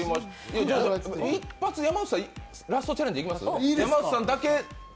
一発、山内さんだけ、ラストチャレンジいきます？